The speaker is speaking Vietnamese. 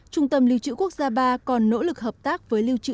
trung tâm liêu trữ quốc gia ba còn nỗ lực hợp tác với liêu trữ